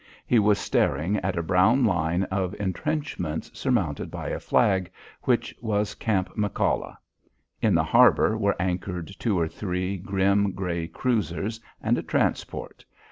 He was staring at a brown line of entrenchments surmounted by a flag, which was Camp McCalla. In the harbour were anchored two or three grim, grey cruisers and a transport.